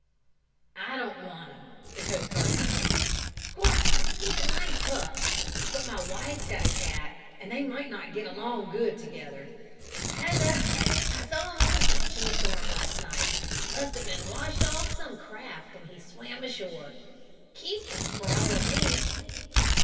"I don't want him," the coast guard went on. "Course he's a nice pup, but my wife's got a cat, and they might not get along good together. As I say, I saw him on the beach in the storm last night. Must have been washed off some craft, and he swam ashore. Keep him for all of me!"